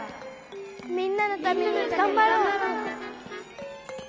みんなのためにがんばろう。